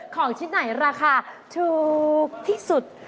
ของชิ้นไหนราคาถูกที่สุด